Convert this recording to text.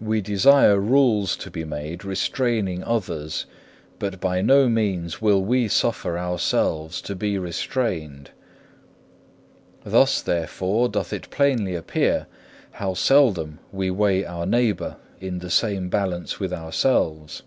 We desire rules to be made restraining others, but by no means will we suffer ourselves to be restrained. Thus therefore doth it plainly appear how seldom we weigh our neighbour in the same balance with ourselves.